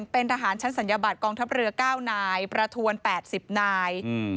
เป็นทหารชั้นศัลยบัตรกองทัพเรือ๙นายประทวน๘๐นาย